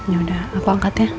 ya udah aku angkat ya